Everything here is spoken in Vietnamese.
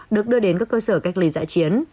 được đưa đến các cơ sở cách ly dã chiến